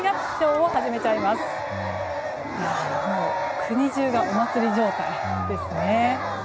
もう国中がお祭り状態ですね。